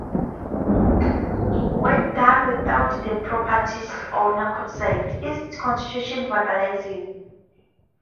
When done without the property owner's consent, it constitutes vandalism.